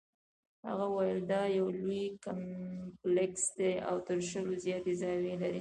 هغه وویل دا یو لوی کمپلیکس دی او تر شلو زیاتې زاویې لري.